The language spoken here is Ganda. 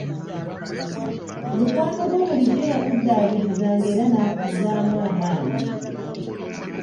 Mukwano gwo bulijjo yakuddaabirizanga era nakuzzaamu amaanyi.